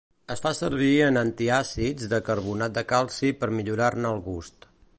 Es fa servir en antiàcids de carbonat de calci per millorar-ne el gust.